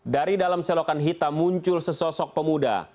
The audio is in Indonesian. dari dalam selokan hitam muncul sesosok pemuda